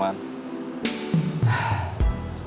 sama ngejagain willy dari kelompok darman